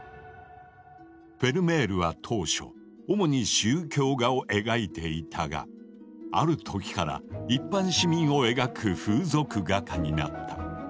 フェルメールは当初主に宗教画を描いていたがある時から一般市民を描く「風俗画家」になった。